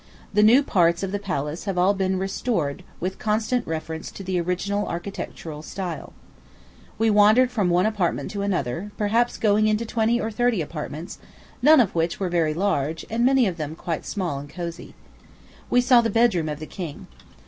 The new parts of the palace have all been restored with constant reference to the original architectural style. We wandered from one apartment to another, perhaps going into twenty or thirty apartments, none of which were very large, and many of them quite small and cosy. We saw the bed room of the king.